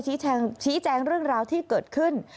ชี้แจงเรื่องราวที่เกิดขึ้น